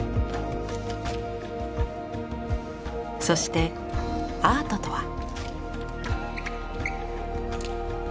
そしてアートとは？